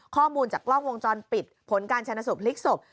ข้อมูลจากกล้องวงจรปิดผลการชนะสูตรพลิกศพ